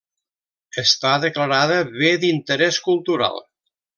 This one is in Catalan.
Està declarada Bé d'interès cultural.